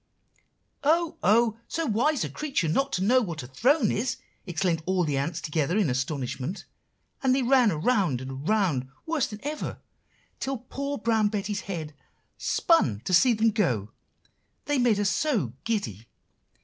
"'Oh, oh, so wise a creature not to know what a throne is!' exclaimed all the ants together in astonishment; and they ran around and around worse than ever, till poor Brown Betty's head spun to see them go, they made her so giddy.